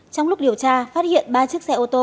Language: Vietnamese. trong lúc điều tra phát hiện ba chiếc xe ô tô